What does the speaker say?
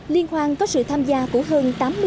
liên hoan có sự tham gia của hơn tám bộ phòng cháy